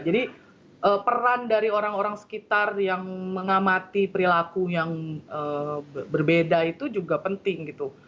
jadi peran dari orang orang sekitar yang mengamati perilaku yang berbeda itu juga penting gitu